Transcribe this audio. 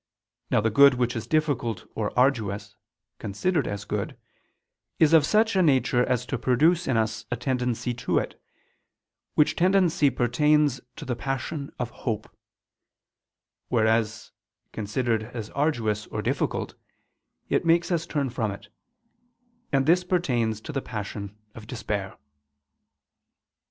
Now the good which is difficult or arduous, considered as good, is of such a nature as to produce in us a tendency to it, which tendency pertains to the passion of hope; whereas, considered as arduous or difficult, it makes us turn from it; and this pertains to the passion of _despair.